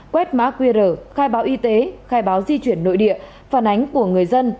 quét mã qr khai báo y tế khai báo di chuyển nội địa phản ánh của người dân